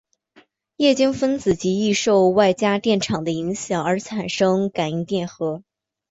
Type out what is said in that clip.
液晶分子极易受外加电场的影响而产生感应电荷。